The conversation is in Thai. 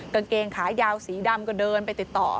กางเกงขายาวสีดำก็เดินไปติดต่อ